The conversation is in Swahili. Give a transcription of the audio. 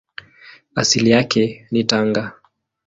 Asili yake ni Tanga.